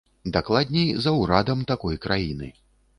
Дакладней, за ўрадам такой краіны.